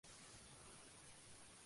Come peces, gambas y cangrejos.